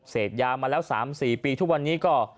เสียบยามาแล้วสามสี่ปีทุกวันนี้ก็